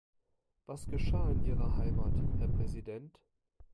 Was geschah in Ihrer Heimat, Herr Präsident?